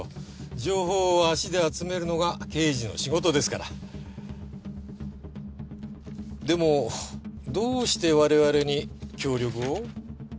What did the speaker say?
情報を足で集めるのが刑事の仕事ですからでもどうして我々に協力を？